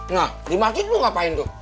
nah di masjid lu ngapain tuh